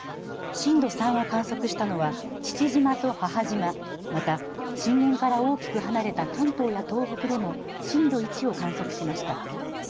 震度３を観測したのは父島と母島、また震源から大きく離れた関東や東北でも震度１を観測しました。